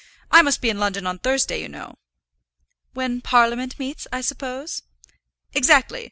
I must be in London on Thursday, you know." "When Parliament meets, I suppose?" "Exactly.